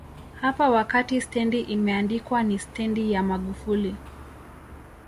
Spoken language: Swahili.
hapa wakati stendi imeandikwa ni Stendi ya Magufuli